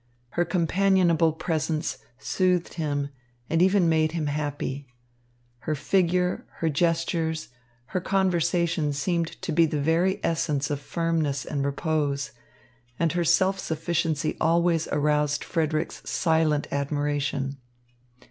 Her companionable presence soothed him and even made him happy. Her figure, her gestures, her conversation seemed to be the very essence of firmness and repose, and her self sufficiency always aroused Frederick's silent admiration.